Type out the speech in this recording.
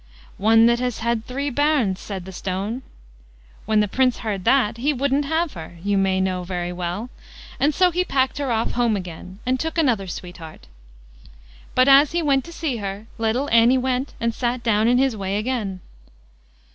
"One that has had three bairns", said the stone. When the Prince heard that he wouldn't have her, you may know very well; and so he packed her off home again, and took another sweetheart. But as he went to see her, little Annie went and sat down in his way again.